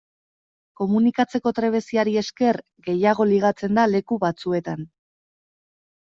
Komunikatzeko trebeziari esker gehiago ligatzen da leku batzuetan.